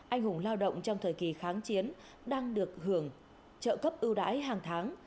anh hùng lao động trong thời kỳ kháng chiến đang được hưởng trợ cấp ưu đãi hàng tháng